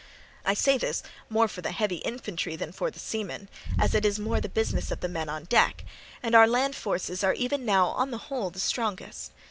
I say this more for the heavy infantry than for the seamen, as it is more the business of the men on deck; and our land forces are even now on the whole the strongest.